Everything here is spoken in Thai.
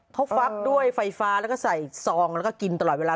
เขาฟักด้วยไฟฟ้าแล้วก็ใส่ซองแล้วก็กินตลอดเวลา